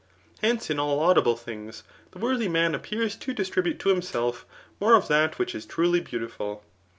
Hence, in all laudable things, the worthy man appears to distribute to himself more of that which is truly beautiful.